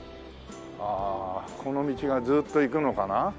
ああこの道がずっといくのかな？